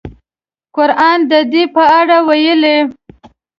قران د دې په اړه ویلي.